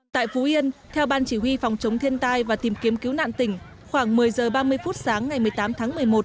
tại phú yên theo ban chỉ huy phòng chống thiên tai và tìm kiếm cứu nạn tỉnh khoảng một mươi h ba mươi phút sáng ngày một mươi tám tháng một mươi một